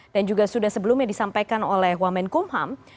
dan juga sudah sebelumnya disampaikan oleh wamen kumham